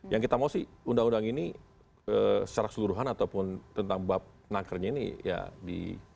yang kita mau sih undang undang ini secara keseluruhan ataupun tentang bab nakernya ini ya di